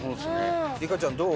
梨花ちゃんどう？